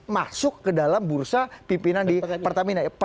masuk ke dalam bursa pimpinan di pertamina